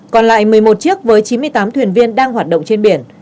còn lại một mươi một chiếc với chín mươi tám thuyền viên đang hoạt động trên biển